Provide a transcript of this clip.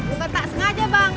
enggak tak sengaja bang